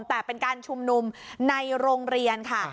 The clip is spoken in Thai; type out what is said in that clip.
แต่เป็นการชุมนุมในโรงเรียนค่ะ